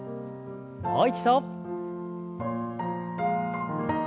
もう一度。